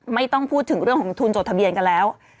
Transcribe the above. ไม่ต้องพูดถึงเรื่องของทุนจดทะเบียนกันแล้ว